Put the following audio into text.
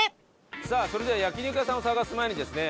さあそれでは焼肉屋さんを探す前にですね